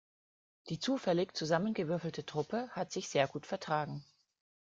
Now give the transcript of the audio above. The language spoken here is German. Die zufällig zusammengewürfelte Truppe hat sich sehr gut vertragen.